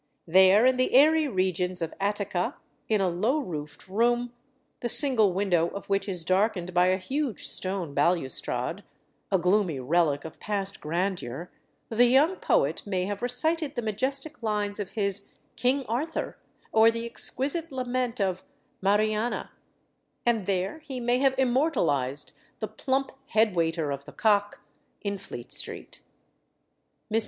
There, in the airy regions of Attica, in a low roofed room, the single window of which is darkened by a huge stone balustrade a gloomy relic of past grandeur the young poet may have recited the majestic lines of his "King Arthur," or the exquisite lament of "Mariana," and there he may have immortalised the "plump head waiter of the Cock," in Fleet Street. Mr.